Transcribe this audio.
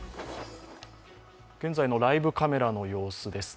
現在のライブカメラの様子です。